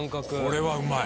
これはうまい。